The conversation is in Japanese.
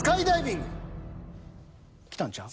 きたんちゃう？